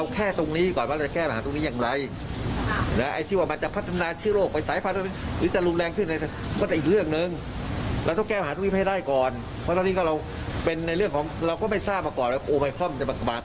เข้าใจแล้วนะจ๊ะ